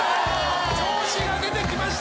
調子が出てきました。